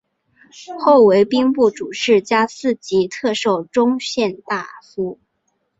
后为兵部主事加四级特授中宪大夫。